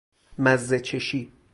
مزه چشی